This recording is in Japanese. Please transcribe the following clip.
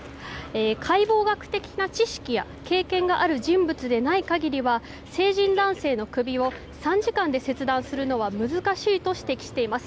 解剖学的な知識や経験がある人物でない限りは成人男性の首を３時間で切断するのは難しいと指摘しています。